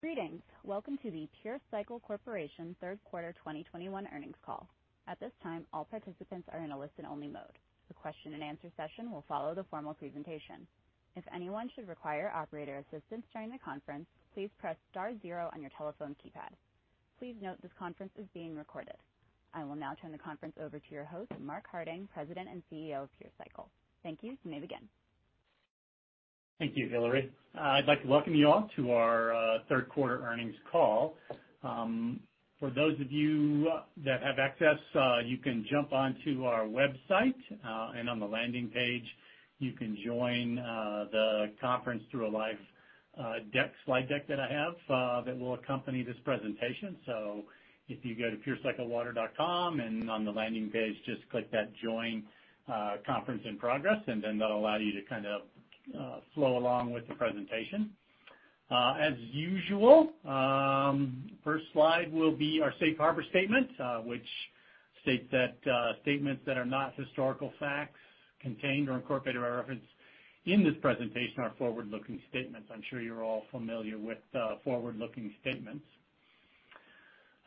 Greetings. Welcome to the Pure Cycle Corporation third quarter 2021 earnings call. At this time, all participants are in a listen-only mode. The question and answer session will follow the formal presentation. If anyone should require operator assistance during the conference, please press star zero on your telephone keypad. Please note this conference is being recorded. I will now turn the conference over to your host, Mark Harding, President and CEO of Pure Cycle. Thank you. You may begin. Thank you, Hilary. I'd like to welcome you all to our third quarter earnings call. For those of you that have access, you can jump onto our website, and on the landing page, you can join the conference through a live slide deck that I have that will accompany this presentation. If you go to purecyclewater.com and on the landing page, just click that join conference in progress, that'll allow you to kind of flow along with the presentation. As usual, first slide will be our safe harbor statement, which states that statements that are not historical facts contained or incorporated by reference in this presentation are forward-looking statements. I'm sure you're all familiar with forward-looking statements.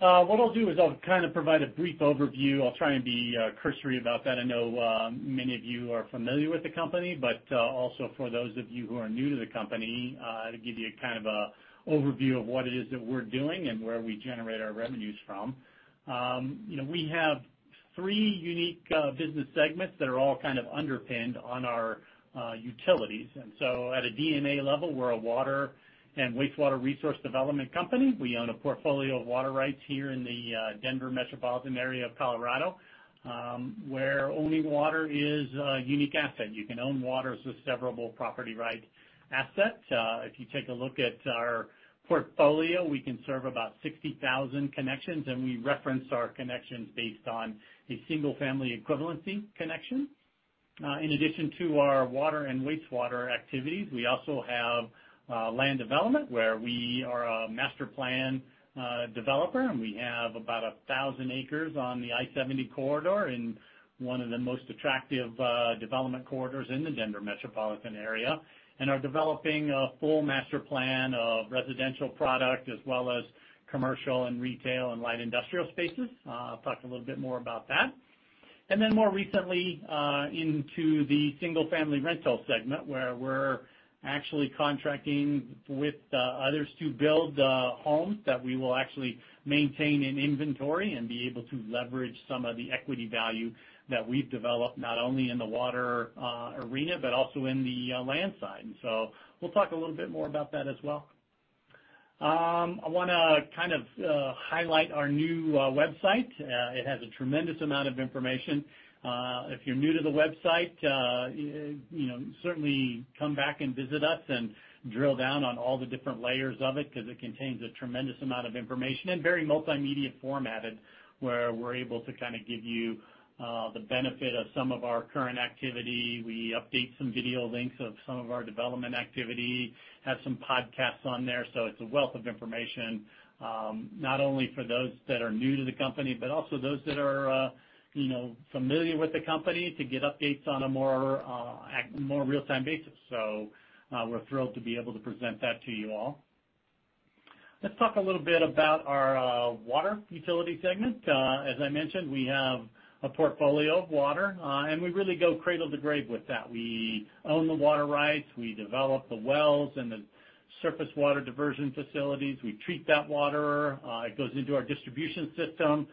What I'll do is I'll kind of provide a brief overview. I'll try and be cursory about that. I know many of you are familiar with the company, but also for those of you who are new to the company, to give you a kind of a overview of what it is that we're doing and where we generate our revenues from. We have three unique business segments that are all kind of underpinned on our utilities. At a DNA level, we're a water and wastewater resource development company. We own a portfolio of water rights here in the Denver metropolitan area of Colorado, where owning water is a unique asset. You can own water as a severable property right asset. If you take a look at our portfolio, we can serve about 60,000 connections, and we reference our connections based on a single family equivalency connection. In addition to our water and wastewater activities, we also have land development, where we are a master plan developer, and we have about 1,000 acres on the I-70 corridor in one of the most attractive development corridors in the Denver metropolitan area and are developing a full master plan of residential product as well as commercial and retail and light industrial spaces. I'll talk a little bit more about that. More recently, into the single-family rental segment, where we're actually contracting with others to build homes that we will actually maintain in inventory and be able to leverage some of the equity value that we've developed, not only in the water arena, but also in the land side. We'll talk a little bit more about that as well. I want to kind of highlight our new website. It has a tremendous amount of information. If you're new to the website, certainly come back and visit us and drill down on all the different layers of it, because it contains a tremendous amount of information and very multimedia formatted, where we're able to kind of give you the benefit of some of our current activity. We update some video links of some of our development activity, have some podcasts on there. It's a wealth of information, not only for those that are new to the company, but also those that are familiar with the company to get updates on a more real-time basis. We're thrilled to be able to present that to you all. Let's talk a little bit about our water utility segment. As I mentioned, we have a portfolio of water, and we really go cradle to grave with that. We own the water rights, we develop the wells and the surface water diversion facilities. We treat that water. It goes into our distribution system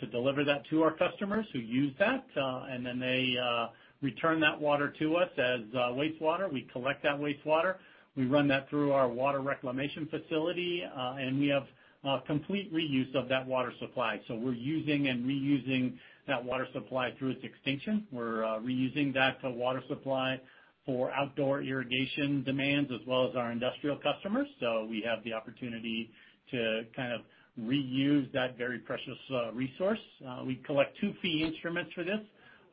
to deliver that to our customers who use that. They return that water to us as wastewater. We collect that wastewater. We run that through our water reclamation facility, and we have complete reuse of that water supply. We're using and reusing that water supply through its extinction. We're reusing that water supply for outdoor irrigation demands as well as our industrial customers. We have the opportunity to kind of reuse that very precious resource. We collect two fee instruments for this.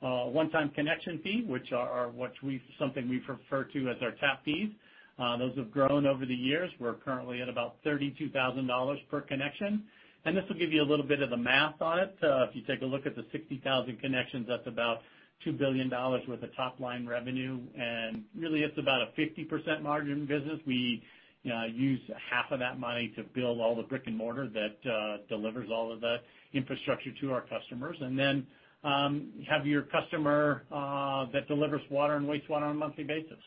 A 1-time connection fee, which is something we refer to as our tap fees. Those have grown over the years. We're currently at about $32,000 per connection. This will give you a little bit of the math on it. If you take a look at the 60,000 connections, that's about $2 billion worth of top-line revenue, and really it's about a 50% margin business. We use half of that money to build all the brick and mortar that delivers all of the infrastructure to our customers. Then you have your customer that delivers water and wastewater on a monthly basis.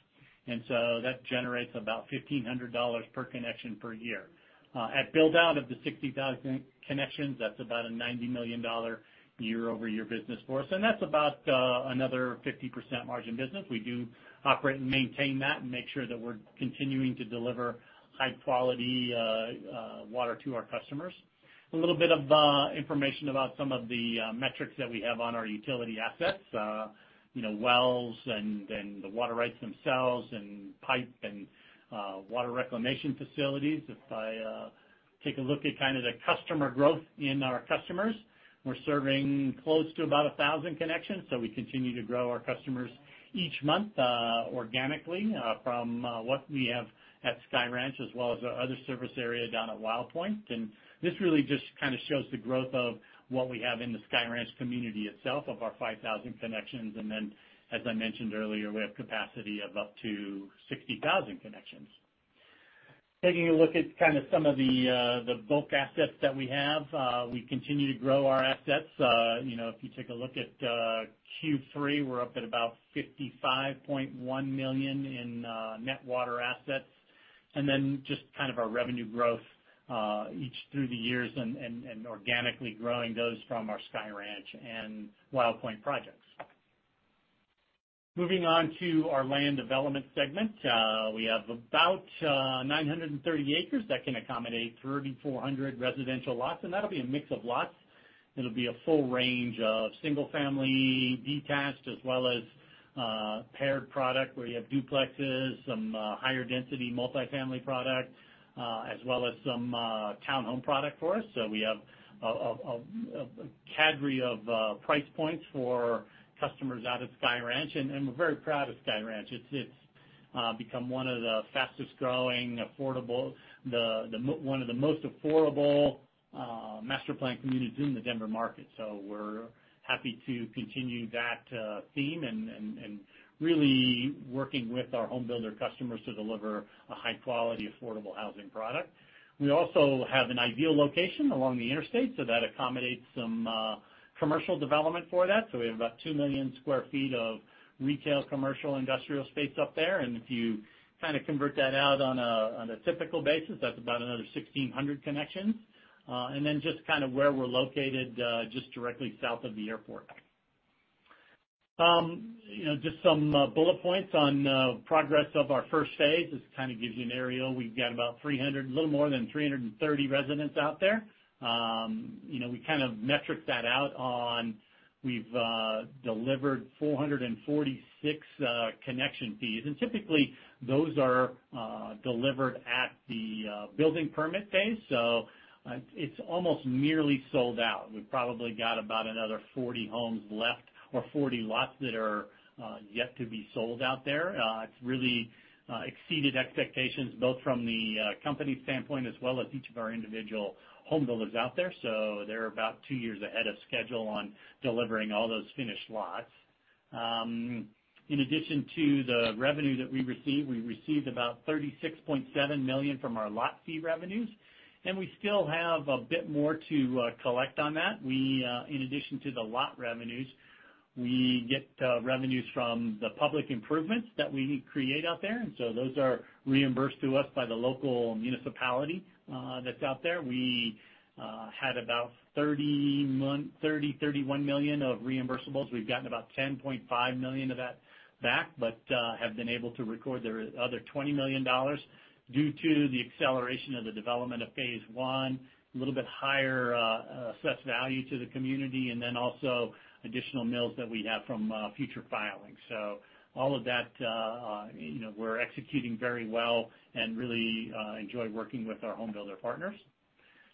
That generates about $1,500 per connection per year. At build-out of the 60,000 connections, that's about a $90 million year-over-year business for us, and that's about another 50% margin business. We do operate and maintain that and make sure that we're continuing to deliver high-quality water to our customers. A little bit of information about some of the metrics that we have on our utility assets. Wells and the water rights themselves and pipe and water reclamation facilities. If I take a look at kind of the customer growth in our customers, we're serving close to about 1,000 connections. We continue to grow our customers each month organically from what we have at Sky Ranch as well as our other service area down at Wild Pointe. This really just kind of shows the growth of what we have in the Sky Ranch community itself of our 5,000 connections. As I mentioned earlier, we have capacity of up to 60,000 connections. Taking a look at some of the bulk assets that we have, we continue to grow our assets. We're up at about $55.1 million in net water assets, our revenue growth each through the years and organically growing those from our Sky Ranch and Wild Pointe projects. Moving on to our land development segment. We have about 930 acres that can accommodate 3,400 residential lots, that'll be a mix of lots. It'll be a full range of single-family detached as well as paired product. We have duplexes, some higher density multi-family product, as well as some townhome product for us. We have a cadre of price points for customers out at Sky Ranch, we're very proud of Sky Ranch. It's become one of the fastest-growing, one of the most affordable master-planned communities in the Denver market. We're happy to continue that theme and really working with our home builder customers to deliver a high-quality, affordable housing product. We also have an ideal location along the interstate, so that accommodates some commercial development for that. We have about 2 million sq ft of retail, commercial, industrial space up there. If you convert that out on a typical basis, that's about another 1,600 connections. Just where we're located, just directly south of the airport. Just some bullet points on progress of our first phase. This kind of gives you an aerial. We've got a little more than 330 residents out there. We metric that out on, we've delivered 446 connection fees. Typically, those are delivered at the building permit phase. It's almost nearly sold out. We probably got about another 40 homes left or 40 lots that are yet to be sold out there. It's really exceeded expectations, both from the company standpoint as well as each of our individual home builders out there. They're about two years ahead of schedule on delivering all those finished lots. In addition to the revenue that we received, we received about $36.7 million from our lot fee revenues, and we still have a bit more to collect on that. In addition to the lot revenues, we get the revenues from the public improvements that we create out there. Those are reimbursed to us by the local municipality that's out there. We had about $30 million-$31 million of reimbursables. We've gotten about $10.5 million of that back, but have been able to record the other $20 million due to the acceleration of the development of phase I, a little bit higher assessed value to the community, and then also additional mills that we have from future filings. All of that, we're executing very well and really enjoy working with our home builder partners.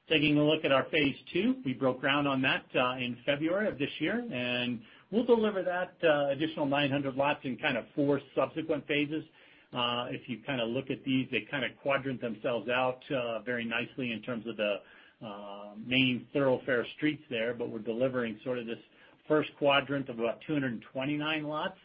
Taking a look at our phase II. We broke ground on that in February of this year, and we'll deliver that additional 900 lots in four subsequent phases. If you look at these, they quadrant themselves out very nicely in terms of the main thoroughfare streets there, but we're delivering sort of this first quadrant of about 229 lots.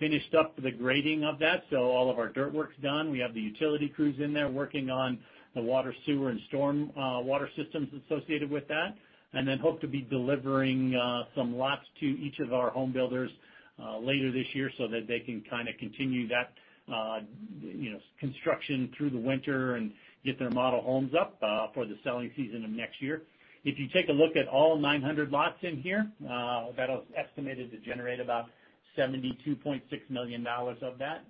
Finished up the grading of that. All of our dirt work's done. We have the utility crews in there working on the water, sewer, and storm water systems associated with that. Hope to be delivering some lots to each of our home builders later this year so that they can continue that construction through the winter and get their model homes up for the selling season of next year. If you take a look at all 900 lots in here, that was estimated to generate about $72.6 million of that.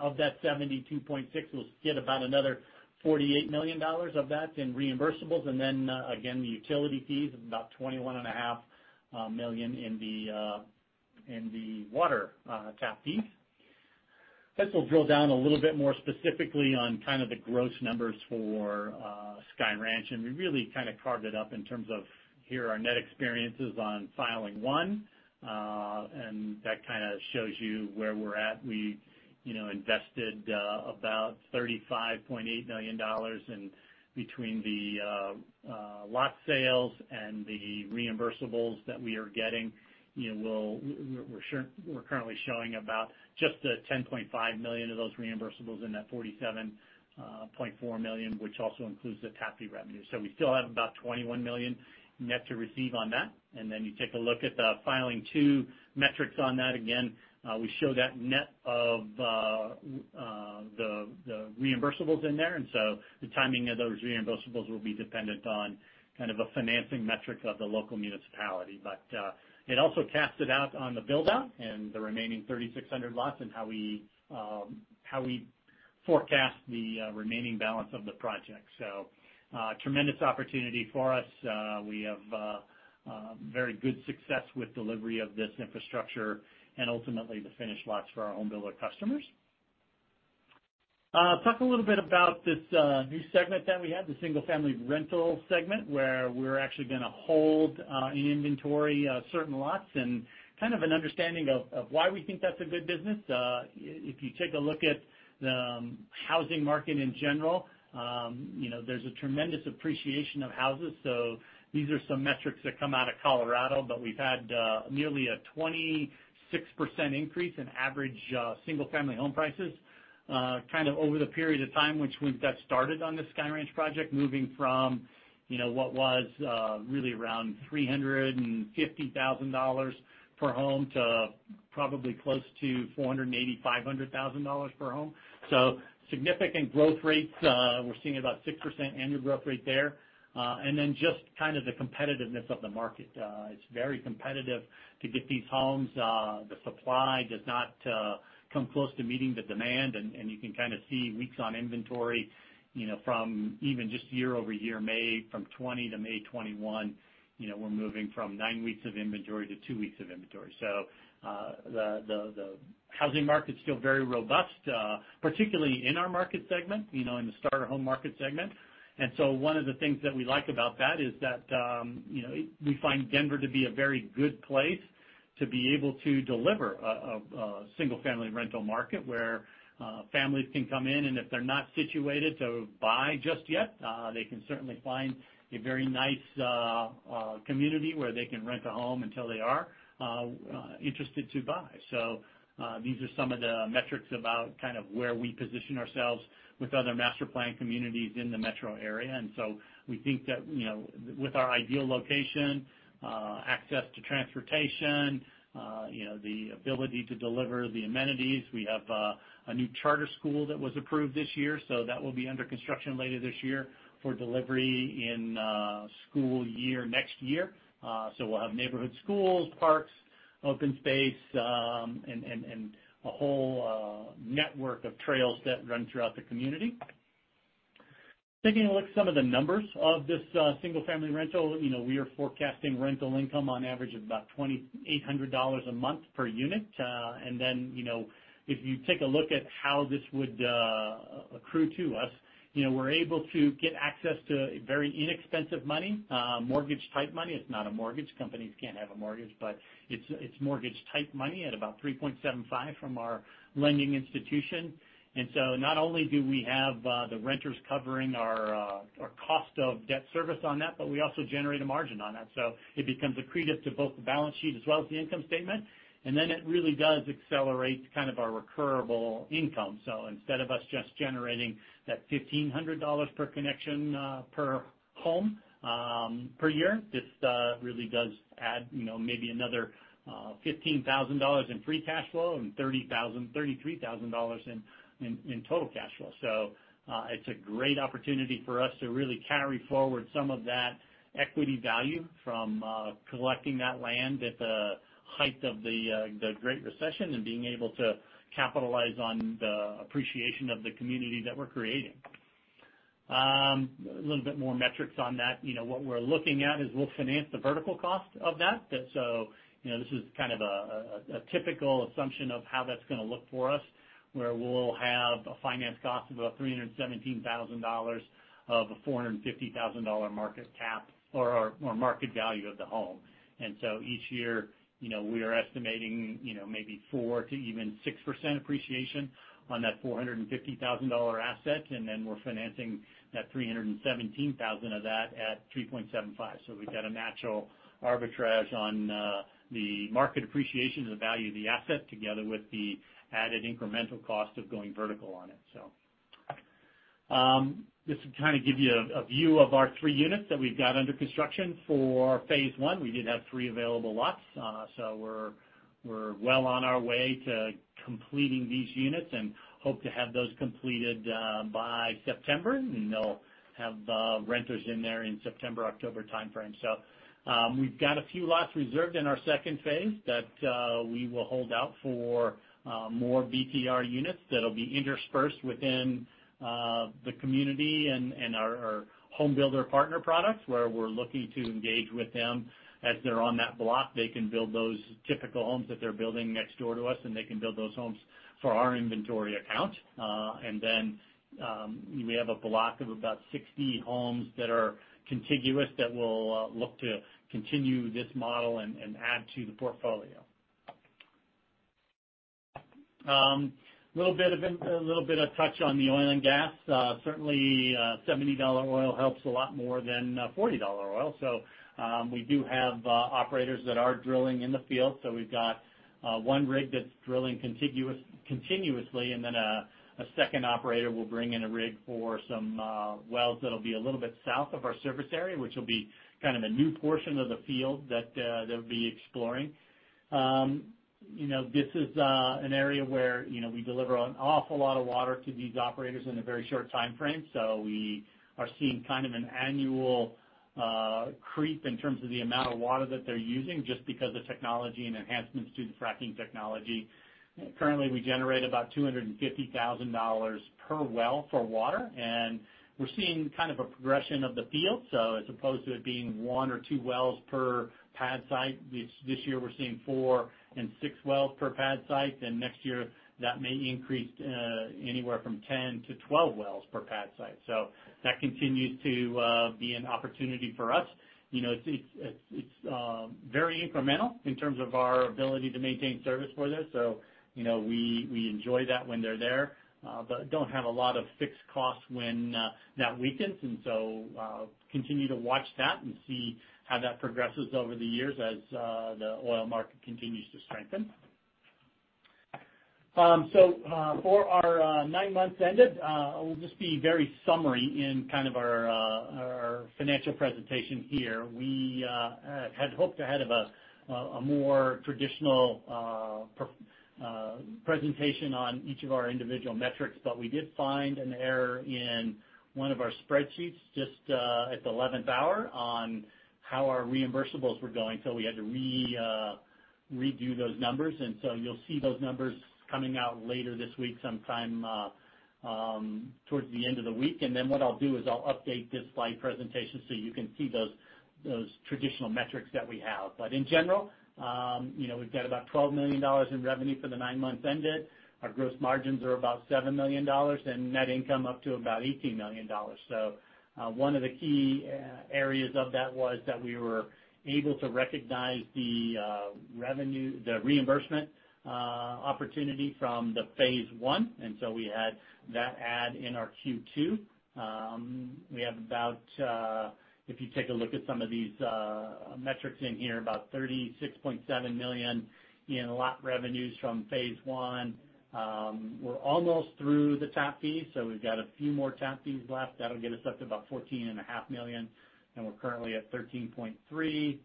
Of that $72.6 million, we'll get about another $48 million of that in reimbursables. Again, the utility fees of about $21.5 million in the water tap fees. This will drill down a little bit more specifically on the gross numbers for Sky Ranch, and we really carved it up in terms of here are net experiences on filing one. That shows you where we're at. We invested about $35.8 million in between the lot sales and the reimbursables that we are getting. We're currently showing about just the $10.5 million of those reimbursables and that $47.4 million, which also includes the tap fee revenue. We still have about $21 million net to receive on that. You take a look at the filing two metrics on that. Again, we show that net of the reimbursables in there. The timing of those reimbursables will be dependent on a financing metric of the local municipality. It also casts it out on the build out and the remaining 3,600 lots and how we forecast the remaining balance of the project. Tremendous opportunity for us. We have very good success with delivery of this infrastructure and ultimately the finished lots for our home builder customers. Talk a little bit about this new segment that we have, the single-family rental segment, where we're actually going to hold in inventory certain lots, and kind of an understanding of why we think that's a good business. If you take a look at the housing market in general, there's a tremendous appreciation of houses. These are some metrics that come out of Colorado, but we've had nearly a 26% increase in average single-family home prices over the period of time which we've got started on the Sky Ranch project, moving from what was really around $350,000 per home to probably close to $480,000, $500,000 per home. Significant growth rates. We're seeing about 6% annual growth rate there. Just kind of the competitiveness of the market. It's very competitive to get these homes. The supply does not come close to meeting the demand. You can kind of see weeks on inventory from even just year-over-year, May from 2020 to May 2021, we're moving from nine weeks of inventory to two weeks of inventory. The housing market's still very robust, particularly in our market segment, in the starter home market segment. One of the things that we like about that is that we find Denver to be a very good place to be able to deliver a single-family rental market where families can come in, and if they're not situated to buy just yet, they can certainly find a very nice community where they can rent a home until they are interested to buy. These are some of the metrics about kind of where we position ourselves with other master plan communities in the metro area. We think that with our ideal location, access to transportation, the ability to deliver the amenities. We have a new charter school that was approved this year, so that will be under construction later this year for delivery in school year next year. We'll have neighborhood schools, parks, open space, and a whole network of trails that run throughout the community. Taking a look at some of the numbers of this single-family rental. We are forecasting rental income on average of about $2,800 a month per unit. If you take a look at how this would accrue to us, we're able to get access to very inexpensive money, mortgage type money. It's not a mortgage. Companies can't have a mortgage, but it's mortgage type money at about 3.75 from our lending institution. Not only do we have the renters covering our cost of debt service on that, but we also generate a margin on that. It becomes accretive to both the balance sheet as well as the income statement. It really does accelerate kind of our recurable income. Instead of us just generating that $1,500 per connection per home per year, this really does add maybe another $15,000 in free cash flow and $33,000 in total cash flow. It's a great opportunity for us to really carry forward some of that equity value from collecting that land at the height of the Great Recession and being able to capitalize on the appreciation of the community that we're creating. A little bit more metrics on that. What we're looking at is we'll finance the vertical cost of that. This is kind of a typical assumption of how that's going to look for us, where we'll have a finance cost of about $317,000 of a $450,000 market cap or market value of the home. Each year, we are estimating maybe 4% to even 6% appreciation on that $450,000 asset. We're financing that $317,000 of that at 3.75%. We've got a natural arbitrage on the market appreciation of the value of the asset, together with the added incremental cost of going vertical on it. Just to kind of give you a view of our three units that we've got under construction for phase I. We did have three available lots. We're well on our way to completing these units and hope to have those completed by September, and they'll have renters in there in September, October timeframe. We've got a few lots reserved in our second phase that we will hold out for more BTR units that'll be interspersed within the community and our home builder partner products where we're looking to engage with them as they're on that block. They can build those typical homes that they're building next door to us, and they can build those homes for our inventory account. Then we have a block of about 60 homes that are contiguous that we'll look to continue this model and add to the portfolio. A little bit of touch on the oil and gas. Certainly $70 oil helps a lot more than $40 oil. We do have operators that are drilling in the field. We've got one rig that's drilling continuously, and then a 2nd operator will bring in a rig for some wells that'll be a little bit south of our service area, which will be kind of a new portion of the field that they'll be exploring. This is an area where we deliver an awful lot of water to these operators in a very short timeframe. We are seeing kind of an annual creep in terms of the amount of water that they're using just because of technology and enhancements to the fracking technology. Currently, we generate about $250,000 per well for water, and we're seeing kind of a progression of the field. As opposed to it being one or two wells per pad site, this year we're seeing four and six wells per pad site. Next year, that may increase to anywhere from 10 to 12 wells per pad site. That continues to be an opportunity for us. It's very incremental in terms of our ability to maintain service for this. We enjoy that when they're there, but don't have a lot of fixed costs when that weakens. Continue to watch that and see how that progresses over the years as the oil market continues to strengthen. For our nine months ended, I will just be very summary in our financial presentation here. We had hoped to have a more traditional presentation on each of our individual metrics, but we did find an error in one of our spreadsheets just at the 11th hour on how our reimbursables were going, so we had to redo those numbers. You'll see those numbers coming out later this week, sometime towards the end of the week. What I'll do is I'll update this slide presentation so you can see those traditional metrics that we have. In general, we've got about $12 million in revenue for the nine months ended. Our gross margins are about $7 million, and net income up to about $18 million. One of the key areas of that was that we were able to recognize the reimbursement opportunity from the phase I. We had that add in our Q2. We have about, if you take a look at some of these metrics in here, about $36.7 million in lot revenues from phase I. We're almost through the tap fees, so we've got a few more tap fees left. That'll get us up to about $14.5 million, and we're currently at $13.3 million.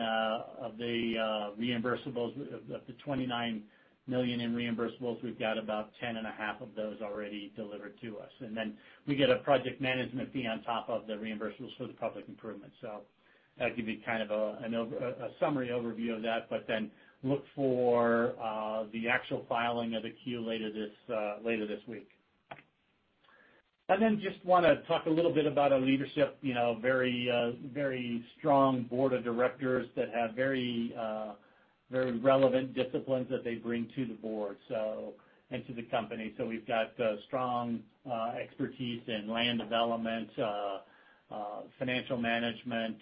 Of the reimbursables, of the $29 million in reimbursables, we've got about $10.5 million of those already delivered to us. We get a project management fee on top of the reimbursables for the public improvement. That give you a summary overview of that, but then look for the actual filing of the Q later this week. Just want to talk a little bit about our leadership. Very strong board of directors that have very relevant disciplines that they bring to the board and to the company. We've got strong expertise in land development, financial management,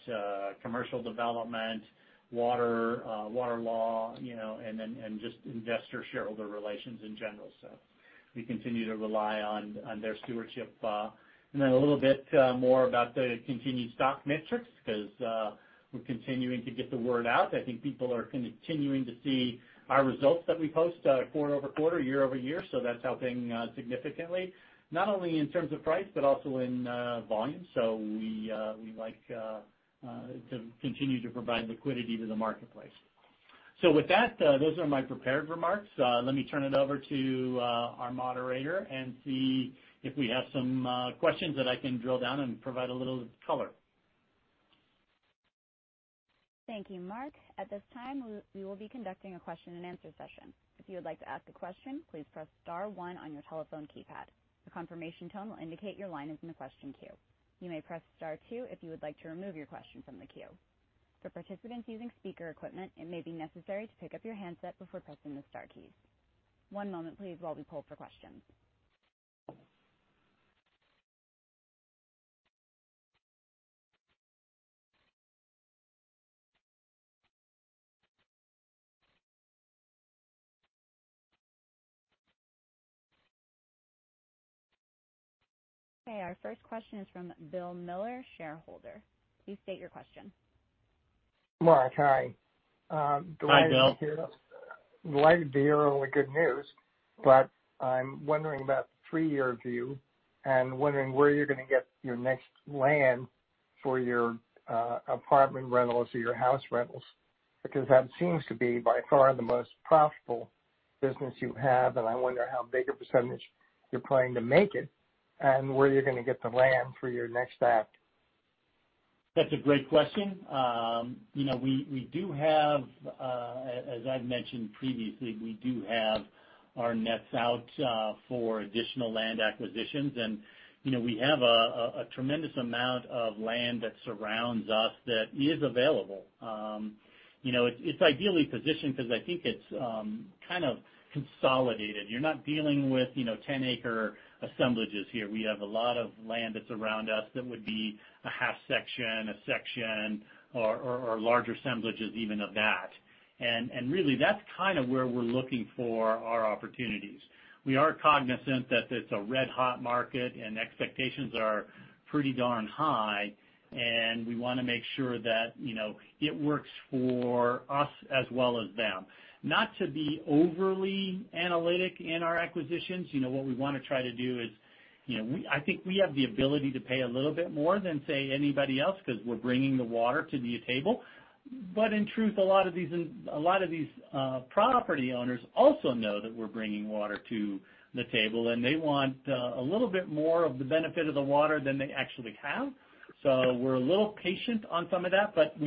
commercial development, water law and just investor shareholder relations in general. We continue to rely on their stewardship. A little bit more about the continued stock metrics, because we're continuing to get the word out. I think people are continuing to see our results that we post quarter-over-quarter, year-over-year. That's helping significantly, not only in terms of price, but also in volume. We like to continue to provide liquidity to the marketplace. With that, those are my prepared remarks. Let me turn it over to our moderator and see if we have some questions that I can drill down and provide a little color. Thank you, Mark. At this time, we will be conducting a question and answer session. If you would like to ask a question, please press star one on your telephone keypad. A confirmation tone will indicate your line is in the question queue. You may press star two if you would like to remove your question from the queue. For participants using speaker equipment, it may be necessary to pick up your handset before pressing the star keys. One moment please, while we poll for questions. Okay, our first question is from Bill Miller, shareholder. Please state your question. Mark, hi. Hi, Bill. Delighted to hear only good news, but I'm wondering about the three-year view and wondering where you're going to get your next land for your apartment rentals or your house rentals, because that seems to be by far the most profitable business you have. I wonder how big a % you're planning to make it and where you're going to get the land for your next act. That's a great question. As I've mentioned previously, we do have our nets out for additional land acquisitions and we have a tremendous amount of land that surrounds us that is available. It's ideally positioned because I think it's kind of consolidated. You're not dealing with 10 acre assemblages here. We have a lot of land that's around us that would be a half section, a section, or large assemblages even of that. Really, that's kind of where we're looking for our opportunities. We are cognizant that it's a red hot market and expectations are pretty darn high, and we want to make sure that it works for us as well as them. Not to be overly analytic in our acquisitions. What we want to try to do is, I think we have the ability to pay a little bit more than, say, anybody else because we're bringing the water to the table. In truth, a lot of these property owners also know that we're bringing water to the table, and they want a little bit more of the benefit of the water than they actually have. We're a little patient on some of that, but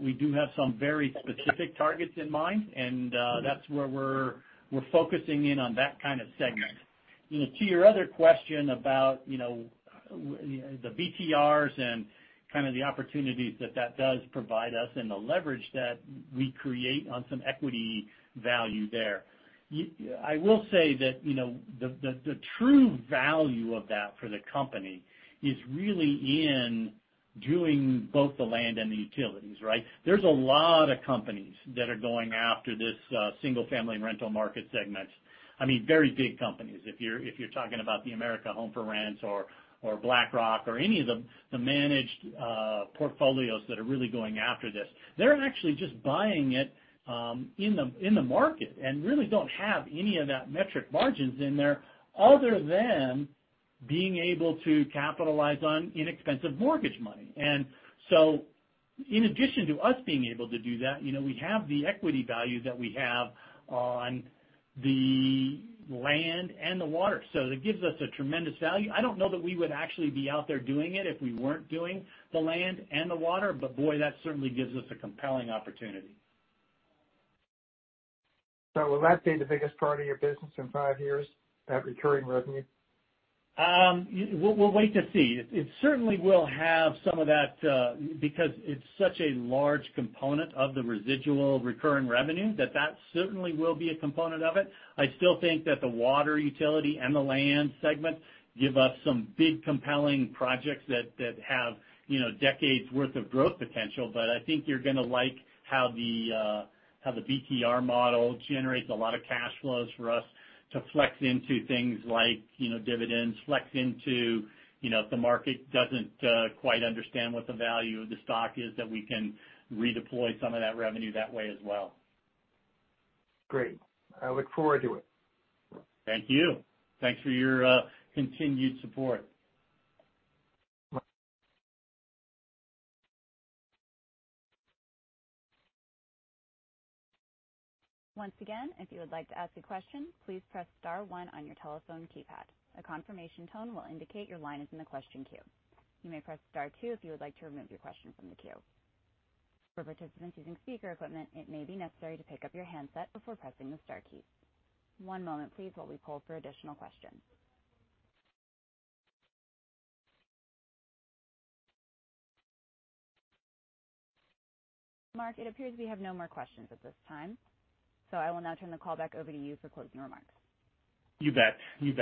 we do have some very specific targets in mind, and that's where we're focusing in on that kind of segment. To your other question about the BTRs and kind of the opportunities that that does provide us and the leverage that we create on some equity value there. I will say that the true value of that for the company is really in doing both the land and the utilities, right? There's a lot of companies that are going after this single-family rental market segment. Very big companies. If you're talking about the American Homes for Rent or BlackRock or any of the managed portfolios that are really going after this. They're actually just buying it in the market and really don't have any of that metric margins in there other than being able to capitalize on inexpensive mortgage money. In addition to us being able to do that, we have the equity value that we have on the land and the water. It gives us a tremendous value. I don't know that we would actually be out there doing it if we weren't doing the land and the water, but boy, that certainly gives us a compelling opportunity. Will that be the biggest part of your business in five years, that recurring revenue? We'll wait to see. It certainly will have some of that because it's such a large component of the residual recurring revenue, that certainly will be a component of it. I still think that the water utility and the land segment give us some big compelling projects that have decades worth of growth potential. I think you're going to like how the BTR model generates a lot of cash flows for us to flex into things like dividends, flex into if the market doesn't quite understand what the value of the stock is, that we can redeploy some of that revenue that way as well. Great. I look forward to it. Thank you. Thanks for your continued support. Bye. Once again, if you would like to ask a question, please press star one on your telephone keypad. A confirmation tone will indicate your line is in the question queue. You may press star two if you would like to remove your question from the queue. For participants using speaker equipment, it may be necessary to pick up your handset before pressing the star key. One moment, please, while we call for additional questions. Mark, it appears we have no more questions at this time. I will now turn the call back over to you for closing remarks. You bet. To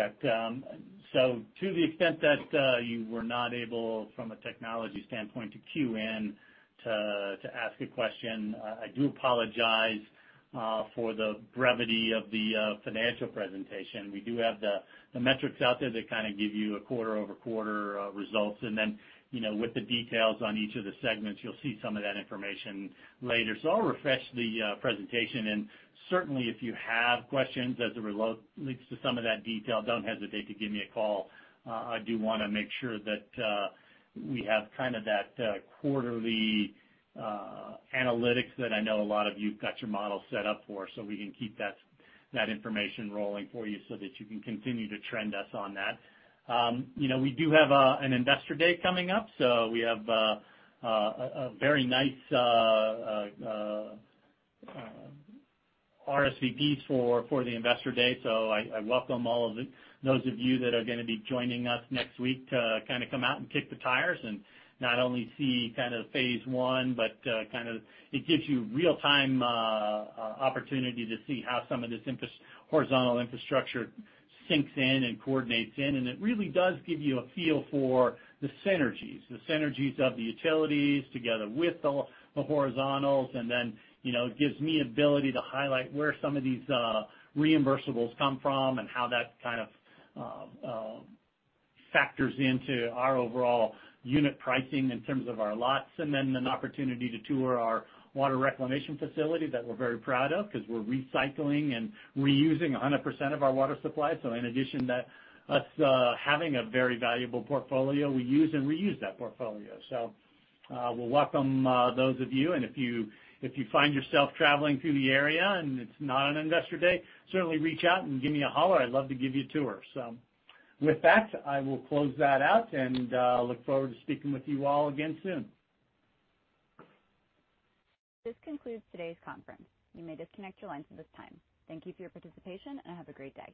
the extent that you were not able, from a technology standpoint, to queue in to ask a question, I do apologize for the brevity of the financial presentation. We do have the metrics out there that kind of give you a quarter-over-quarter results. Then, with the details on each of the segments, you'll see some of that information later. I'll refresh the presentation, and certainly, if you have questions as it relates to some of that detail, don't hesitate to give me a call. I do want to make sure that we have that quarterly analytics that I know a lot of you have got your model set up for, so we can keep that information rolling for you so that you can continue to trend us on that. We do have an investor day coming up. We have a very nice RSVP for the investor day. I welcome all of those of you that are going to be joining us next week to come out and kick the tires and not only see phase I, but it gives you real-time opportunity to see how some of this horizontal infrastructure sinks in and coordinates in. It really does give you a feel for the synergies. The synergies of the utilities together with the horizontals. Then, it gives me ability to highlight where some of these reimbursables come from and how that kind of factors into our overall unit pricing in terms of our lots. Then an opportunity to tour our water reclamation facility that we're very proud of because we're recycling and reusing 100% of our water supply. In addition to us having a very valuable portfolio, we use and reuse that portfolio. We'll welcome those of you, and if you find yourself traveling through the area and it's not an investor day, certainly reach out and give me a holler. I'd love to give you a tour. With that, I will close that out and look forward to speaking with you all again soon. This concludes today's conference. You may disconnect your lines at this time. Thank you for your participation and have a great day.